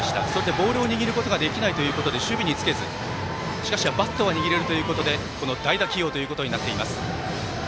ボールを握ることができないということで守備につけず、しかしバットは握れるということで代打起用ということになっています。